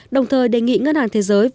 đồng thời đề nghị ngân hàng thế giới